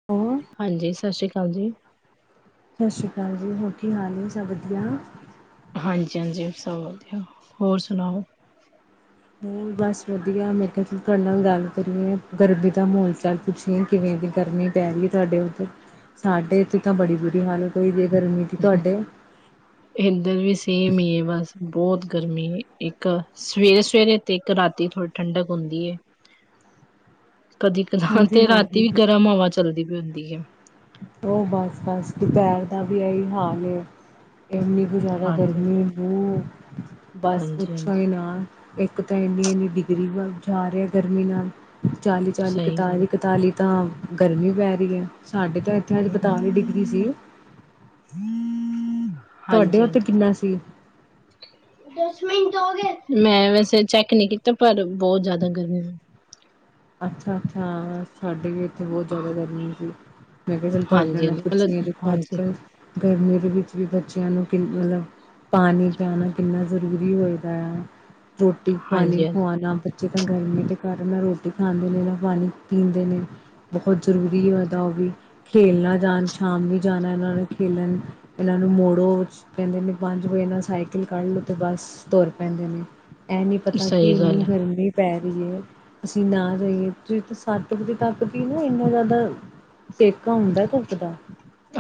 [unintelligible] ਹਾਂਜੀ, ਸਤਿ ਸ਼੍ਰੀ ਅਕਾਲ ਜੀ। ਸਤਿ ਸ਼੍ਰੀ ਅਕਾਲ ਜੀ, ਹੋਰ ਕੀ ਹਾਲ ਏ ਸਭ ਵਧੀਆ? ਹਾਂਜੀ ਹਾਂਜੀ ਸਭ ਵਧੀਆ, ਹੋਰ ਸੁਣਾਓ? ਬਸ ਵਧੀਆ ਮੈਂ ਕਿਹਾ ਚਲ ਤੁਹਾਡੇ ਨਾਲ ਗੱਲ ਕਰੀਏ ਗਰਮੀ ਦਾ ਮਹੌਲ ਚਾਲ ਪੁੱਛੀਏ ਕਿਵੇਂ ਦੀ ਗਰਮੀ ਪੈ ਰਹੀ ਏ ਤੁਹਾਡੇ ਉੱਧਰ ਸਾਡੇ ਇੱਥੇ ਤਾਂ ਬੜੀ ਬੁਰੀ ਹਾਲਤ ਹੋਈ ਏ ਗਰਮੀ ਦੀ ਤੁਹਾਡੇ ਏਧਰ ਵੀ ਸੇਮ ਹੀ ਏ ਬਸ ਬਹੁਤ ਗਰਮੀ ਏ ਇੱਕ ਸਵੇਰੇ-ਸਵੇਰੇ ਤੇ ਇੱਕ ਰਾਤੀ ਥੋੜ ੜੀ ਠੰਡਕ ਹੁੰਦੀ ਏ। [inaudible] ਕਦੀ ਕਦਾਰ ਹਾਂਜੀ ਤੇ ਰਾਤੀਂ ਹਾਂਜੀ ਵੀ ਗਰਮ ਹਵਾ ਚੱਲਦੀ ਪ‌ਈ ਹੁੰਦੀ ਏ। ਉਹ ਬਸ ਬਸ ਦੁਪਹਿਰ ਦਾ ਵੀ ਐਹੀ ਹਾਲ ਏ ਐਨੀ ਕੁ ਜ਼ਿਆਦਾ ਹਾਂਜੀ। ਗਰਮੀ ਉਹ ਬਸ ਹਾਂਜੀ ਪੁੱਛੋਂ ਹੀ ਹਾਂਜੀ ਨਾ। ਇੱਕ ਤਾਂ ਐਨੀ ਐਨੀ ਡਿਗਰੀ ਵੱਲ ਜਾ ਰਿਹਾ ਗਰਮੀ ਨਾਲ ਚਾਲੀ-ਚਾਲੀ, ਸਹੀ ਗੱਲ ਕਤਾਲੀ-ਕਤਾਲੀ ਤਾਂ ਗਰਮੀ ਪੈ ਰਹੀ ਏ ਸਾਡੇ ਤਾਂ ਏਧਰ ਪਤਾਲੀ ਡਿਗਰੀ ਸੀ। ਤੁਹਾਡੇ ਉੱਥੇ ਹਾਂਜੀ-ਹਾਂਜੀ। ਕਿੰਨਾ [inaudible] ਮੈਂ ਵੈਸੇ ਚੈੱਕ ਨੀ ਕੀਤਾ ਪਰ ਬਹੁਤ ਜ਼ਿਆਦਾ ਗਰਮੀ ਅੱਛਾ-ਅੱਛਾ ਸਾਡੇ ਵੀ ਇੱਥੇ ਬਹੁਤ ਜਿਆਦਾ ਗਰਮੀ ਸੀ। ਮੈਂ ਕਿਹਾ ਚਲ ਤੁਹਾਡੇ ਹਾਂਜੀ ਨਾਲ ਹਾਂਜੀ ਪੁੱਛਦੀ ਏ ਮਤਲਬ ਦੇਖੋ ਹਾਂਜੀ ਅੱਜ-ਕੱਲ ਗਰਮੀ ਦੇ ਵਿੱਚ ਵੀ ਬੱਚਿਆਂ ਨੂੰ ਕਿੰਨ ਮਤਲਬ ਪਾਣੀ ਪਿਆਣਾ ਕਿੰਨਾ ਜ਼ਰੂਰੀ ਹੋਇਦਾ ਐ ਰੋਟੀ ਪਾਣੀ ਹਾਂਜੀ ਹਾਂਜੀ ਖਵਾਣਾ ਬੱਚੇ ਤਾਂ ਗਰਮੀ ਦੇ ਕਾਰਨ ਨਾ ਰੋ ਰੋਟੀ ਖਾਂਦੇ ਨੇ, ਨਾ ਪਾਣੀ ਪੀਂਦੇ ਨੇ ਬਹੁਤ ਜ਼ਰੂਰੀ ਹੋਏ ਦਾ ਉਹ ਵੀ ਖੇਲਣਾ ਜਾਣ ਸ਼ਾਮ ਨੂੰ ਹੀ ਜਾਣਾ ਇਹਨਾਂ ਨੇ ਖੇਲਣ ਪਹਿਲਾਂ ਇਹਨਾਂ ਨੂੰ ਮੋੜੋ ਕਹਿੰਦੇ ਨੇ ਪੰਜ ਵਜੇ ਨਾਲ ਸਾਈਕਲ ਕੱਢ ਲਓ ਤੇ ਬਸ ਤੁਰ ਪੈਂਦੇ ਨੇ। ਐਹ ਨੀ ਪਤਾ ਸਹੀ ਕਿ ਗੱਲ ਏਨੀ ਹੈ। ਗਰਮੀ ਪੈ ਰਹੀ ਏ। ਅਸੀਂ ਨਾ ਜਾਈਏ, ਸੂਰਜ ਸੱਤ ਵਜੇ ਤੱਕ ਵੀ ਨਾ ਇੰਨਾ ਜਿਆਦਾ ਸੇਕਾ ਹੁੰਦਾ ਧੁੱਪ ਦਾ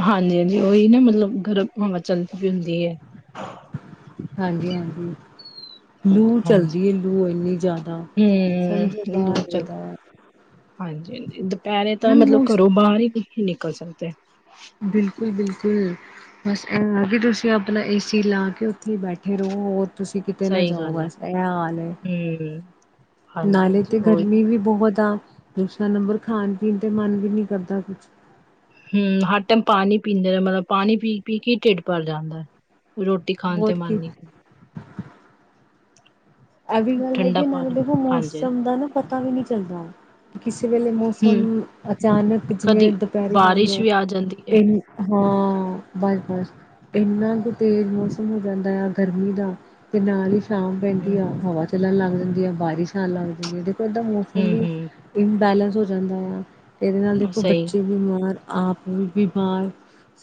ਹਾਂਜੀ-ਹਾਂਜੀ, ਉਹੀ ਨਾ ਮਤਲਬ ਗਰਮ ਹਵਾ ਚੱਲਦੀ ਪਈ ਹੁੰਦੀ ਐ। ਹਾਂਜੀ-ਹਾਂਜੀ। ਲੂ ਹਾਂਜੀ ਚਲਦੀ ਐ ਲੂ ਇੰਨੀ ਜ਼ਿਆਦਾ ਸਮਝੋ [unintelligible] ਹਾਂਜੀ-ਹਾਂਜੀ ਦੁਪਹਿਰੇ ਤਾਂ ਨਾਲੇ ਮਤਲਬ ਮੋਸ ਘਰੋਂ ਬਾਹਰ ਹੀ ਨਈ ਨਿਕਲ ਸਕਦੇ। ਬਿਲਕੁਲ-ਬਿਲਕੁਲ। ਬਸ ਐਹ ਆ ਕਿ ਤੁਸੀਂ ਆਪਣਾ ਏਸੀ ਲਾ ਕੇ ਉੱਥੇ ਹੀ ਬੈਠੇ ਰਹੋ ਹੋਰ? ਤੁਸੀਂ ਕਿਤੇ ਨਾ ਸਹੀ ਜਾਓ ਗੱਲ ਹੈ। ਬਸ ਇਹ ਹਾਲ ਐ, ਹੂੰ ਹਾਂਜੀ ਨਾਲੇ ਹਾਂਜੀ ਤੇ ਉਹੀ ਗਰਮੀ ਵੀ ਬਹੁਤ ਆ, ਦੂਸਰਾ ਨੰਬਰ ਖਾਣ-ਪੀਣ ਤੇ ਮਨ ਵੀ ਨੀ ਕਰਦਾ ਕੁਛ ਹੂੰ, ਹਰ ਟਾਈਮ ਪਾਣੀ ਪੀਂਦੇ ਨੇ ਮਤਲਬ ਪਾਣੀ ਪੀ-ਪੀ ਕੇ ਢਿੱਡ ਭਰ ਜਾਂਦਾ, ਰੋਟ ਟੀ ਖਾਣ ਤੇ ਹੋਰ ਮਨ ਕੀ ਨੀ। ਐਹ ਵੀ ਗੱਲ ਠੰਡਾ ਹੈਗੀ ਨਾਲੇ ਪਾਣੀ ਦੇਖੋ ਹਾਂਜੀ ਹਾਂਜੀ ਮੌਸਮ ਦਾ ਨਾ ਪਤਾ ਵੀ ਨੀ ਚੱਲਦਾ। ਕਿਸੇ ਵੇਲੇ ਮੌਸਮ ਹੂੰ ਅਚਾਨਕ ਜਿਵੇਂ ਕਦੀ ਦੁਪੈਰੇ ਮੰਨ ਬਾਰਿਸ਼ ਲਓ ਵੀ ਆ ਜਾਂਦੀ ਹੈ ਇ ਹਾਂ, ਬਸ-ਬਸ ਏਨਾ ਕ ਤੇਜ਼ ਮੌਸਮ ਹੋ ਜਾਂਦਾ ਏ ਆ ਗਰਮੀ ਦਾ ਤੇ ਨਾਲ ਈ ਸ਼ਾਮ ਹੂੰ ਪੈਂਦੀ ਆ ਹਵਾ ਚੱਲਣ ਲੱਗ ਜਾਂਦੀ ਆ, ਬਾਰਿਸ਼ ਆਣ ਲੱਗ ਜਾਂਦੀ ਐ, ਦੇਖੋ ਏਦਾਂ ਮੌਸਮ ਹੂੰ ਵੀ ਹੂੰ ਇਮਬੈਲੈਂਸ ਹੋ ਜਾਂਦਾ ਏ ਆ, ਏਦੇ ਨਾਲ ਦੇਖੋ ਸਹੀ ਬੱਚੇ ਬਿਮਾਰ ਆਪ ਵੀ ਬਿਮਾਰ,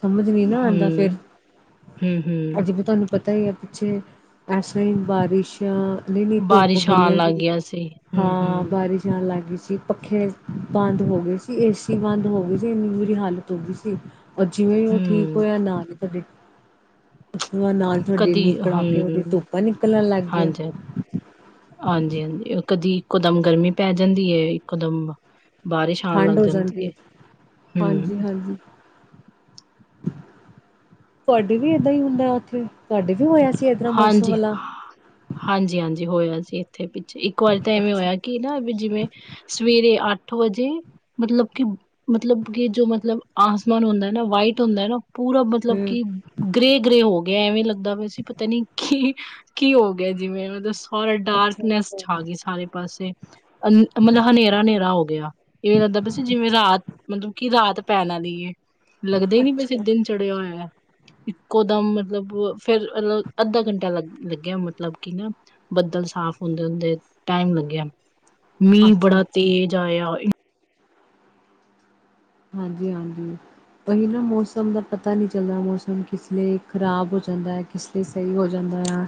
ਸਮਝ ਨੀ ਨਾ ਆਦਾ ਫੇਰ, ਹੂੰ ਹੂੰ ਹੂੰ ਅਜੇ ਤਾਂ ਤੋਨੂੰ ਪਤਾ ਈ ਐ ਪਿੱਛੇ, ਐਸਾ ਈ ਬਾਰਿਸ਼ਾਂ ਨਈ-ਨ‌ਈ ਧੁੱਪ ਬਾਰਿਸ਼ ਆਣ ਬੜੀਆ ਸੀ, ਲੱਗ ਗਿਆ ਸੀ ਹੂੰ ਹਾਂ ਹੂੰ ਬਾਰਿਸ਼ ਜਾ ਲੱਗ ਗੀ ਸੀ, ਪੱਖੇ ਬੰਦ ਹੋ ਗੇ ਸੀ ਏਸੀ ਬੰਦ ਹੋ ਗੀ ਸੀ, ਏਨੀ ਬੁਰੀ ਹਾਲਤ ਹੋ ਗੀ ਸੀ। ਔਰ ਜਿਵੇਂ ਓ ਠੀਕ ਹੂੰ ਹੋਇਆ, ਨਾਲ ‌ਈ ਤੁਹਾਡੇ ਉਸ ਤੋਂ ਬਾਅਦ ਨਾਲ ਈ ਤੁਹਾਡੇ ਕਦੀ ਐਨੇ ਕੜਾਕੇ ਵਾਲੀ ਧੁੱਪਾਂ ਨਿਕਲਣ ਲੱਗ ਗੀਆ। ਹਾਂਜੀ-ਹਾਂਜੀ, ਓ ਕਦੀ ਇੱਕੋ ਦਮ ਗਰਮੀ ਪੈ ਜਾਂਦੀ ਐ, ਇੱਕੋ ਦਮ ਬਾਰਿਸ਼ ਆਉਣ ਠੰਡ ਲੱਗ ਹੋ ਜਾਂਦੀ ਐ, ਹੈ ਹਮ ਹਾਂਜੀ-ਹਾਂਜੀ। ਤੁਹਾਡੇ ਵੀ ਏਦਾਂ ਈ ਹੁੰਦਾ ਓਥੇ, ਤੁਹਾਡੇ ਵੀ ਹੋਇਆ ਸੀ। ਏਦਾਂ ਮੌਸਮ ਹਾਂਜੀ, ਵਾਲਾ ਹਾਂਜੀ-ਹਾਂਜੀ ਹੋਇਆ ਸੀ ਏਥੇ ਪਿੱਛੇ ਇੱਕ ਵਾਰੀ ਇਕ ਤਾਂ ਐਵੇਂ ਅੱਛਾ ਹੋਇਆ ਕੀ ਨਾ ਵੀ ਜਿਵੇਂ ਸਵੇਰੇ ਅੱਠ ਵਜੇ ਮਤਲਬ ਕਿ ਮਤਲਬ ਕਿ, ਜੋ ਮਤਲਬ ਆਸਮਾਨ ਹੁੰਦਾ ਨਾ ਵਾਈਟ ਹੁੰਦੈ ਨਾ ਪੂਰਾ ਮਤਲਬ ਹਮ ਕਿ ਗ੍ਰੇ, ਗ੍ਰੇ ਹੋ ਗਿਆ, ਐਵੇਂ ਲੱਗਦਾ ਪਿਆ ਸੀ। ਪਤਾ ਨੀ ਕੀ, ਕੀ ਹੋ ਗਿਆ ਜਿਵੇਂ ਮਤਲਬ ਸਾਰੇ ਅੱਛਾ ਡਾਰਕਨੈਸ ਛਾ ਅੱਛਾ ਗੀ ਸਾਰੇ ਪਾਸੇ। ਅਨ ਮਤਲਬ ਹਨੇਰਾ-ਹਨੇਰਾ ਹੋ ਗਿਆ। ਇਹ ਲੱਗਦਾ ਪਿਆ ਸੀ ਜਿਵੇਂ ਰਾਤ, ਮਤਲਬ ਕਿ ਰਾਤ ਪੈਣ ਆਲੀ ਏ। ਲੱਗਦਾ ਈ ਨੀ ਪੇਆ ਸੀ ਅੱਛਾ ਦਿਨ ਚੜਿਆ ਹੋਇਆ, ਇੱਕੋ ਦਮ ਮਤਲਬ ਫੇਰ ਮਲਬ ਅੱਧਾ ਘੰਟਾ ਲੱਗ ਲੱਗਿਆ ਮਤਲਬ ਕਿ ਨਾ। ਬੱਦਲ ਸਾਫ਼ ਹੁੰਦੇ ਹੁੰਦੇ ਟਾਈਮ ਲੱਗਿਆ, ਮੀਂਹ ਅੱਛਾ ਬੜਾ ਅੱਛਾ ਤੇਜ਼ ਆਇਆ। ਹਾਂਜੀ-ਹਾਂਜੀ। ਓਹੀ ਨਾ ਮੌਸਮ ਦਾ ਪਤਾ ਨੀ ਚੱਲਦਾ, ਮੌਸਮ ਕਿਸ ਵੇਲੇ ਖ਼ਰਾਬ ਹੋ ਜਾਂਦਾ ਐ ਕਿਸ ਸਹੀ ਹੋ ਜਾਂਦਾ ਏ ਆ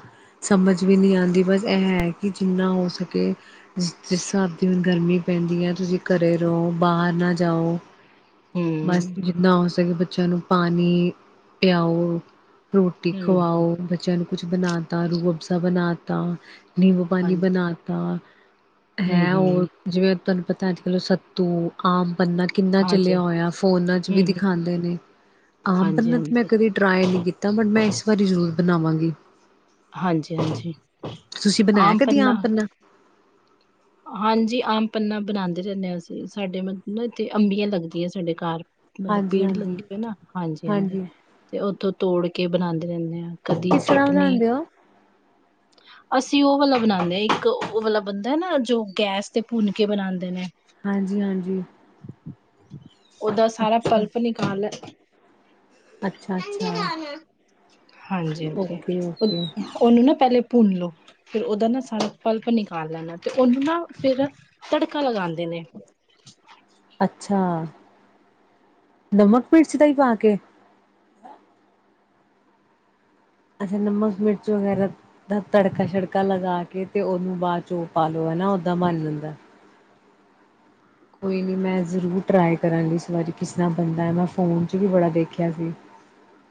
ਸਮਝ ਵੀ ਨੀ ਆਦੀ, ਬਸ ਐਹ ਹੈ ਕਿ ਜਿੰਨਾ ਹੋ ਸਕੇ ਜਿਸ, ਜਿਸ ਸਾਬ ਦੀ ਹੁਣ ਗਰਮੀ ਪੈਂਦੀ ਐ, ਤੁਸੀਂ ਘਰੇ ਰਹੋ, ਬਾਹਰ ਨਾ ਜਾਓ। ਬਸ ਹਮ ਜਿੰਨਾ ਹੋ ਸਕੇ ਬੱਚਿਆਂ ਨੂੰ ਪਾਣੀ, ਪਿਆਓ। ਰੋਟੀ ਹਮ ਹਮ ਖਵਾਓ, ਬੱਚਿਆਂ ਨੂੰ ਕੁਛ ਬਣਾਤਾ ਰੂ ਅਫਜ਼ਾ ਬਣਾਤਾ। ਨਿੰਬੂ ਪਾਣੀ ਹਾਂਜੀ ਬਣਾਤਾ, ਹਮ ਹੈਅ ਔ ਹਮ ਜਿਵੇਂ ਤੁਹਾਨੂੰ ਪਤਾ ਅੱਜ-ਕੱਲ ਸੱਤੂ ਆਮ ਪੰੰਨਾ ਕਿੰ ਹਾਂਜੀ ਚੱਲਿਆ ਹੋਇਆ, ਫੋਨਾਂ ਚ ਵੀ ਹਮ ਹਮ ਦਿਖਾਦੇ ਨੇ, ਆਮ ਹਾਂਜੀ ਪੰਨਾ ਤੇ ਮੈਂ ਹਾਂਜੀ ਕਦੇ ਟਰਾਈ ਨੀ ਕੀਤਾ, ਬਟ ਮੈਂ ਇਸ ਵਾਰੀ ਜ਼ਰੂਰ ਬਣਾਵਾਂਗੀ। ਹਾਂਜੀ ਹਾਂਜੀ ਤੁਸੀਂ ਬਣਾਇਆ ਕਦੀ ਆਮ ਪੰਨਾ? ਹਾਂਜੀ ਆਮ ਪੰਨਾ ਬਣਾਦੇ ਰਹਿਨੇ ਆ ਅਸੀਂ, ਸਾਡੇ ਮਤਲਬ ਏਥੇ ਅੰਬੀਆਂ ਲੱਗਦੀਆਂ ਸਾਡੇ ਘਰ। ਮਤਲਬ ਹਾਂਜੀ ਪੇੜ ਹਾਂਜੀ ਲੱਗੇ ਦੇ ਆ ਨਾ, ਹਾਂਜੀ-ਹਾਂਜੀ ਹਾਂਜੀ ਤੇ ਉੱਥੋ ਤੋੜ ਕੇ ਬਣਾਦੇ ਰਹਿਨੇ ਆ। ਕਦੀ ਕਿਸ ਤਰ੍ਹਾਂ ਚਟਨੀ ਬਣਾਉਂਦੇ ਹੋ ਅਸੀਂ ਓ ਵਾਲਾ ਬਣਾਨੇ ਆ ਇੱਕ ਓ ਵਾਲਾ ਬਨਦੈ ਨਾ ਜੋ ਗੈਸ ਤੇ ਭੁੰਨਕੇ ਬਣਾਦੇ ਨੇ। ਹਾਂਜੀ-ਹਾਂਜੀ। ਉਹਦਾ ਸਾਰਾ ਅੱਛਾ ਪਲਪ ਨਿਕਾਲ, ਅੱਛਾ ਐੰਝ ਹੀ ਅੱਛਾ ਖਾਣਾ ਹਾਂਜੀ- ਹਾਂਜੀ ਓਕੇ ਉਹਨ ਓਕੇ ਉਹਨੂੰ ਨਾ ਪਹਿਲੇ ਭੁੰਨ ਲਓ। ਫੇਰ ਉਹਦਾ ਨਾ ਸਾਰਾ ਪਲਪ ਨਿਕਾਲ ਲੈਣਾ ਤੇ ਉਹਨੂੰ ਨਾ ਫੇਰ ਤੜਕਾ ਲਗਾਉਂਦੇ ਨੇ। ਅੱਛਾ, ਨਮਕ ਮੀਰਚ ਦਹੀ ਪਾ ਕੇ। ਅੱਛਾ, ਨਮਕ ਮਿਰਚ ਵਗੈਰਾ। ਦਾ ਤੜਕਾ ਸ਼ੜਕਾ ਲਗਾ ਕੇ ਤੇ ਉਹਨੂੰ ਬਾਅਦ 'ਚੋ ਉਹ ਪਾ ਲੋ ਹੈਨਾ ਓਦਾਂ ਬਣ ਜਾਂਦਾ। ਕੋਈ ਨੀ ਮੈਂ ਜ਼ਰੂਰ ਟ੍ਰਾਈ ਕਰਾਂਗੀ ਇਸ ਵਾਰੀ ਕਿਸ ਨਾਲ ਬਣਦਾ, ਮੈਂ ਫੋਨ 'ਚ ਵੀ ਬੜਾ ਦੇਖਿਆ ਸੀ।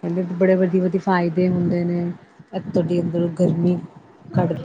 ਕਹਿੰਦੇ ਬੜੇ ਵੱਡੇ- ਵੱਡੇ ਫਾਇਦੇ ਹੁੰਦੇ ਨੇ, ਐਹ ਤੁਹਾਡੀ ਅੰਦਰੋਂ ਗਰਮੀ ਕਢਦਾ।